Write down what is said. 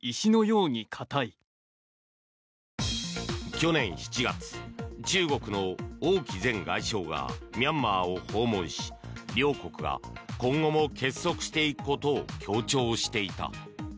去年７月、中国の王毅前外相がミャンマーを訪問し両国が今後も結束していくことを強調していた。